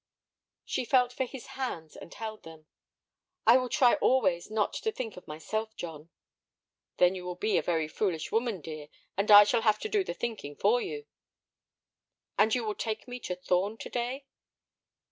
She felt for his hands and held them. "I will try always not to think of myself, John." "Then you will be a very foolish woman, dear, and I shall have to do the thinking for you." "And you will take me to Thorn to day?"